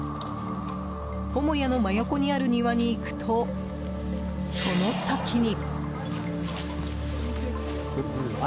母屋の真横にある庭に行くとその先に。